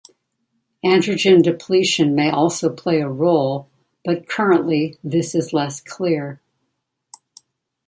Androgen depletion may also play a role, but currently this is less clear.